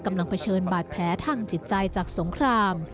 กำลังเผชิญบาดแพ้ทางจิตใจจากสงคราม